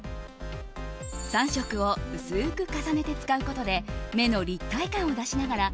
３色を薄く重ねて使うことで目の立体感を出しながら